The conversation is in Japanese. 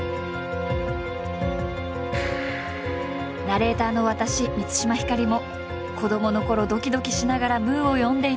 ナレーターの私満島ひかりも子どものころドキドキしながら「ムー」を読んでいた一人。